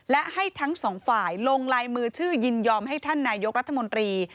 และให้ทั้งสองฝ่ายลงลายมือชื่อยินยอมให้ท่านนายกรัฐมนตรี